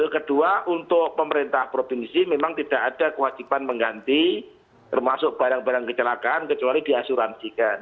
kedua untuk pemerintah provinsi memang tidak ada kewajiban mengganti termasuk barang barang kecelakaan kecuali diasuransikan